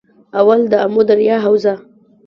اول- دآمو دریا حوزه